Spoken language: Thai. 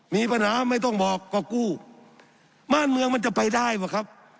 มีปัญหาไม่ต้องบอกก็กู้บ้านเมืองมันจะไปได้ว่ะครับ